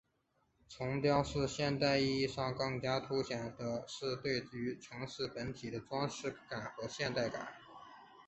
城雕在现代意义上更加凸显的是对于城市本体的装饰性和现代感。